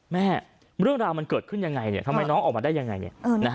แม่เรื่องราวมันเกิดขึ้นยังไงเนี่ยทำไมน้องออกมาได้ยังไงเนี่ย